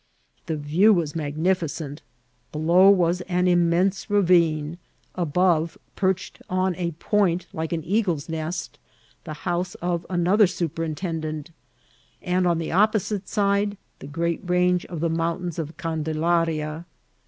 The view was magnificent : below was an immense ravine ; above, perched on a point, like an eagle's nest, the house of another superintendent; and on the opposite side the great range of the mountains of Candelaria.